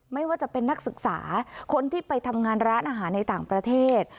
ไม่ว่าจะเป็นนักศึกษาคนที่ไปทำงานร้านอาหารในต่างประเทศ